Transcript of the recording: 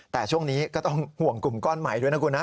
แต่ช่วงนี้ก็ต้องห่วงกลุ่มก้อนใหม่ด้วยนะคุณนะ